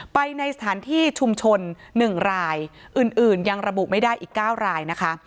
ไปในสถานที่ชุมชน๑รายอื่นยังระบุไม่ได้อีก๙รายนะคะ